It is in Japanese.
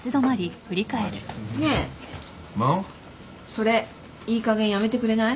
それいいかげんやめてくれない？